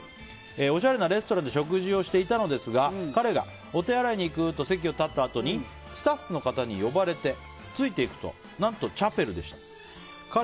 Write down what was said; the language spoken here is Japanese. おしゃれなレストランで食事をしていたのですが彼がお手洗いに行くと席を立ったあとにスタッフの方に呼ばれてついていくと何とチャペルでした。